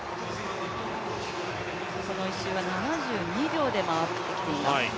この１周は７２秒で回ってきています。